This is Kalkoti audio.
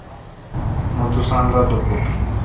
مہ توسان دا لوکٹ۔